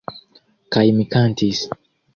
Kaj mi kantis.